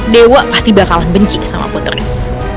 dewa pasti bakalan benci sama puter ini